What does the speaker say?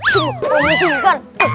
semua orang disini kan